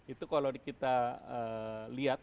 itu kalau kita lihat